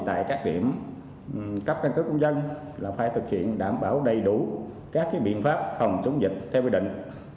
tại các điểm cấp căn cứ công dân là phải thực hiện đảm bảo đầy đủ các biện pháp không xuống dịch theo quy định